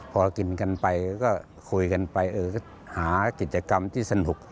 พอกินกันไปก็คุยกันไปเออก็หากิจกรรมที่สนุก